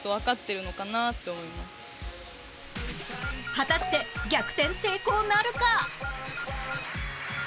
果たして逆転成功なるか？